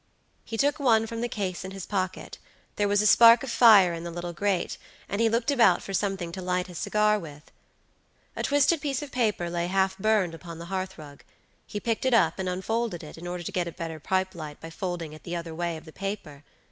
He took one from the case in his pocket: there was a spark of fire in the little grate, and he looked about for something to light his cigar with. A twisted piece of paper lay half burned upon the hearthrug; he picked it up, and unfolded it, in order to get a better pipe light by folding it the other way of the paper.